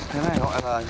thế này gọi là